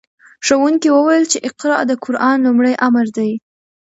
ښوونکي وویل چې اقرأ د قرآن لومړی امر دی.